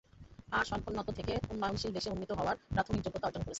আর স্বল্পোন্নত থেকে উন্নয়নশীল দেশে উন্নীত হওয়ার প্রাথমিক যোগ্যতা অর্জন করেছে।